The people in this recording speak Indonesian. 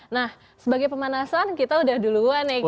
nah sebagai pemanasan kita udah duluan ya